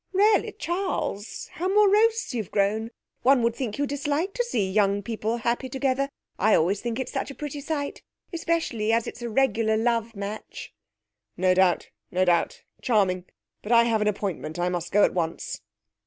'Really, Charles, how morose you've grown. One would think you disliked to see young people happy together. I always think it's such a pretty sight. Especially as it's a regular love match.' 'No doubt; no doubt. Charming! But I have an appointment; I must go at once.'